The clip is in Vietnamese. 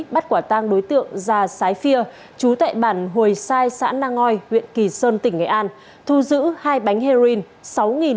bắt quả tang đối tượng già sái phia chú tại bản hồi sai xã nang ngoi huyện kỳ sơn tỉnh nghệ an thu giữ hai bánh heroin